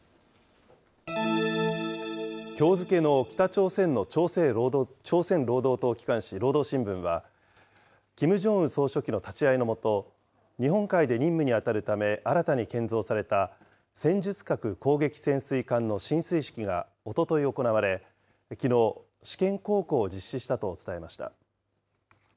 きょう付けの北朝鮮の朝鮮労働党機関紙、労働新聞は、キム・ジョンウン総書記の立ち会いの下、日本海で任務に当たるため、新たに建造された、戦術核攻撃潜水艦の進水式がおととい行われ、きのう、試験航行を実施したと伝えました。